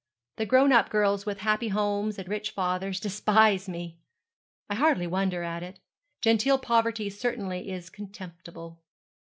The grown up girls with happy homes and rich fathers despise me. I hardly wonder at it. Genteel poverty certainly is contemptible.